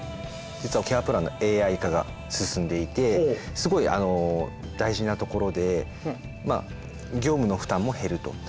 実はケアプランのＡＩ化が進んでいてすごい大事なところで業務の負担も減ると。